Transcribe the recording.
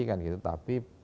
kan gitu tapi